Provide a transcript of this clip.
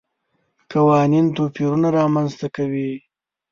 قوانین توپیرونه رامنځته کوي.